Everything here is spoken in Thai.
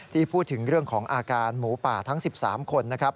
ที่พูดถึงเรื่องของอาการหมูป่าทั้ง๑๓คนนะครับ